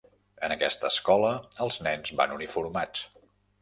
En aquesta escola els nens van uniformats.